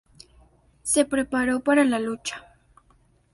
Se preparó para la lucha.